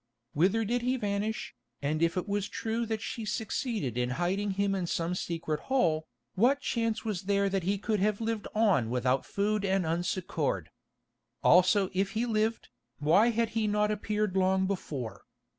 Whither did he vanish, and if it was true that she succeeded in hiding him in some secret hole, what chance was there that he could have lived on without food and unsuccoured? Also if he lived, why had he not appeared long before?